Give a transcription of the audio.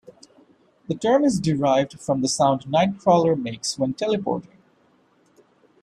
The term is derived from the sound Nightcrawler makes when teleporting.